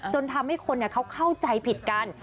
จนทำให้คนเขาเข้าใจผิดกัน